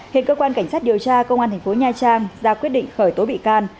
hiện cơ quan cảnh sát điều tra công an thành phố nha trang ra quyết định khởi tố bị can